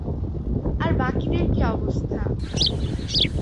আর বাকিদের কী অবস্থা?